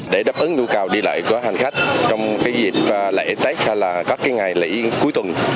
để đáp ứng nhu cầu đi lại của hành khách trong cái dịp lễ tết hoặc là các cái ngày lễ cuối tuần